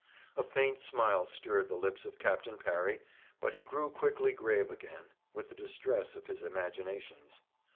A faint smile stirred the lips of Captain Parry; but he grew quickly grave again, with the distress of his imaginations.